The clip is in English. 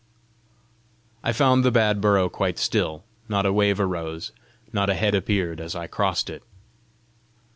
I found the bad burrow quite still; not a wave arose, not a head appeared as I crossed it.